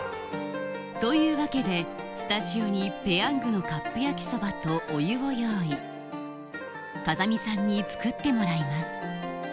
というわけでスタジオに「ペヤング」のカップ焼きそばとお湯を用意風見さんに作ってもらいます